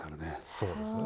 そうですね。